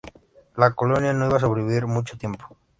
La colonia no iba a sobrevivir mucho tiempo.